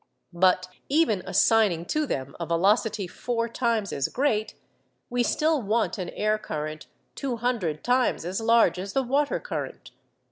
But even assigning to them a velocity four times as great, we still want an air current two hundred times as large as the water current.